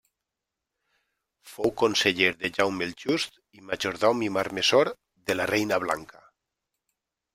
Fou conseller de Jaume el Just i majordom i marmessor de la reina Blanca.